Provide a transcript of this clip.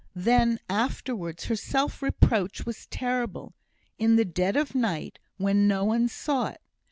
Then afterwards her self reproach was terrible in the dead of night, when no one saw it.